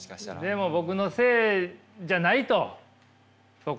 でも僕のせいじゃないとそこは。